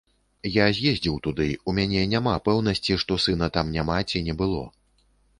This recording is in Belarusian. Я з'ездзіў туды, у мяне няма пэўнасці, што сына там няма ці не было.